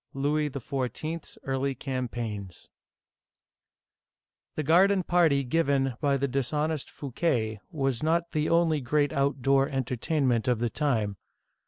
LOUIS XIV.'S EARLY CAMPAIGNS THE garden party given by the dishonest Fouquet was not the only great outdoor entertainment of the time.